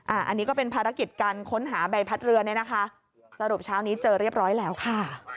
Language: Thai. อันนี้ก็เป็นภารกิจการค้นหาใบพัดเรือเนี่ยนะคะสรุปเช้านี้เจอเรียบร้อยแล้วค่ะ